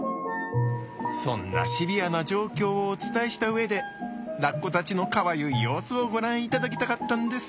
そんなシビアな状況をお伝えした上でラッコたちのかわゆい様子をご覧いただきたかったんです。